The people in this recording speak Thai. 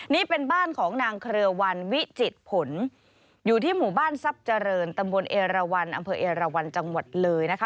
นี่เป็นบ้านของนางเครือวันวิจิตผลอยู่ที่หมู่บ้านทรัพย์เจริญตำบลเอราวันอำเภอเอราวันจังหวัดเลยนะคะ